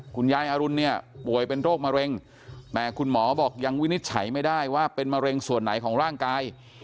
ยายอรุณเนี่ยป่วยเป็นโรคมะเร็งแต่คุณหมอบอกยังวินิจฉัยไม่ได้ว่าเป็นมะเร็งส่วนไหนของร่างกาย